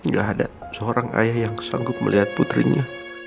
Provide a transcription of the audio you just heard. gak ada seorang ayah yang sanggup melihat putrinya